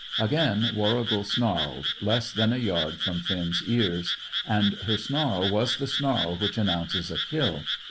Again Warrigal snarled, less than a yard from Finn's ears, and her snarl was the snarl which announces a kill.